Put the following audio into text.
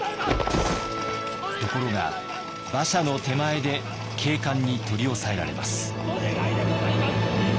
ところが馬車の手前で警官に取り押さえられます。